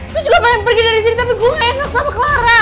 lu juga pengen pergi dari sini tapi gue gak enak sama clara